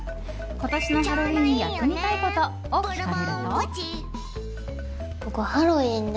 今年のハロウィーンにやってみたことを聞かれると。